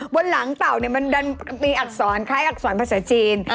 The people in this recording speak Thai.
บนหลังเต่ามันมีอักษรคล้ายอักษรภาษาจีน